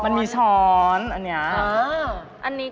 มันมีช้อนอันนี้